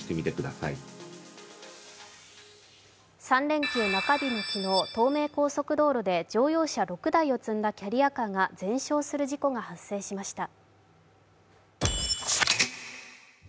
３連休中日の昨日、東名高速道路で乗用車６台を積んだキャリアカーが全焼する事故が発生しました。